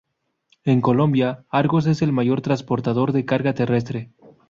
En Colombia, Argos es el mayor transportador de carga terrestre.